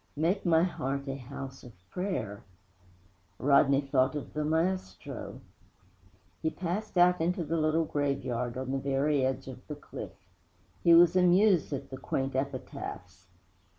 'Make my heart a house of prayer!' Rodney thought of the maestro. He passed out into the little graveyard on the very edge of the cliff. He was amused at the quaint epitaphs.